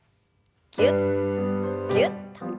ぎゅっぎゅっと。